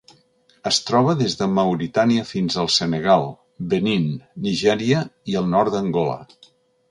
Es troba des de Mauritània fins al Senegal, Benín, Nigèria i el nord d'Angola.